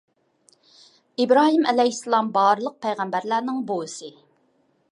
ئىبراھىم ئەلەيھىسسالام بارلىق پەيغەمبەرلەرنىڭ بوۋىسى